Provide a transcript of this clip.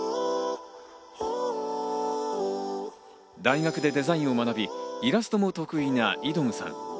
大学でデザインを学び、イラストも得意なｉｄｏｍさん。